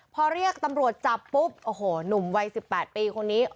พอเรียกตำรวจจับปุ๊บโอ้โหหนุ่มวัย๑๘ปีคนนี้